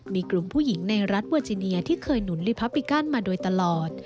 มีกลุ่มผู้หญิงในรัฐเวอร์จิเนียที่เคยหนุนลิพาปิกันมาโดยตลอด